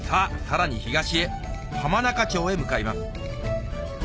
さらに東へ浜中町へ向かいます